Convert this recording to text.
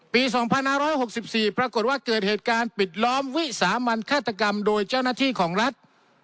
ปี๒๕๖๔ปรากฏว่าเกิดเหตุการณ์ปิดล้อมวิสามันฆาตกรรมโดยเจ้าหน้าที่ของรัฐ